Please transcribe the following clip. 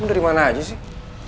dari mana aja sih